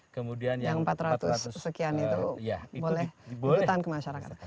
kemudian yang empat ratus sekian itu boleh hutan ke masyarakat